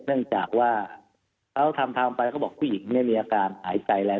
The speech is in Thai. เนื่องจากว่าเขาทำทางไปเขาบอกผู้หญิงเนี่ยมีอาการหายใจแรง